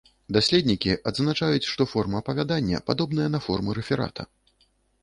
Даследнікі адзначаюць, што форма апавядання падобная на форму рэферата.